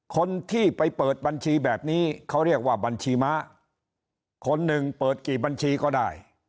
คนที่ไปเปิดบัญชีแบบนี้เขาเรียกว่าบัญชีม้าคนหนึ่งเปิดกี่บัญชีก็ได้